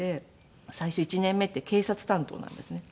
最初１年目って警察担当なんですね。